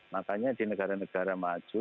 makanya di negara negara maju